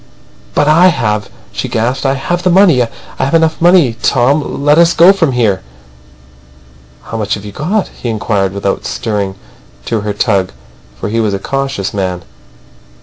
"But I have," she gasped. "I have the money. I have enough money. Tom! Let us go from here." "How much have you got?" he inquired, without stirring to her tug; for he was a cautious man.